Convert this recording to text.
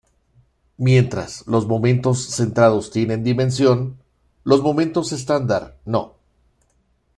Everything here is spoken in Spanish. Mientras los momentos centrados tienen dimensión, los momentos estándar, no.